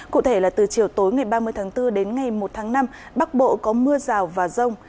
cụ thể là từ chiều tối ngày ba mươi tháng bốn đến ngày một tháng năm bắc bộ có mưa rào và rông